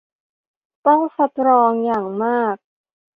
ต้องสตรองอย่างมาก